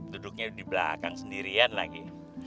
duduknya di belakang sendirian lagi